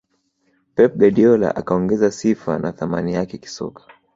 pep guardiola akaongeza sifa na thamani yake kisoka